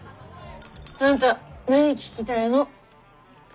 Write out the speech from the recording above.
あんた何聞きたいの？